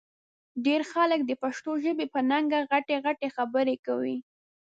ډېر خلک د پښتو ژبې په ننګه غټې غټې خبرې کوي